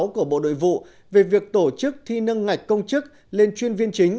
của bộ nội vụ về việc tổ chức thi nâng ngạch công chức lên chuyên viên chính